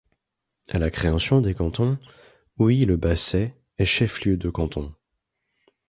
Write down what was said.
À la création des cantons, Ouilly-le-Basset est chef-lieu de canton.